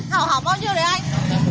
hảo hảo bao nhiêu đấy anh